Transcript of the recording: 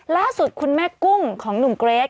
ล่าสุดคุณแม่กุ้งของหนุ่มเกรท